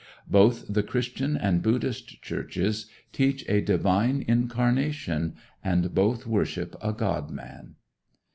Both the Christian and Buddhist churches teach a divine incarnation, and both worship a God man.